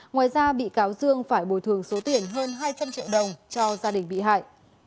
ngoài ra bị cáo dương phải bồi thường số tiền hơn hai trăm linh triệu đồng cho gia đình bị hại